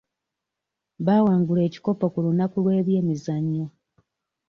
Baawangula ekikopo ku lunaku lw'ebyemizannyo.